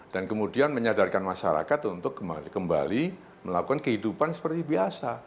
dan kemudian menyadarkan masyarakat untuk kembali melakukan kehidupan seperti biasa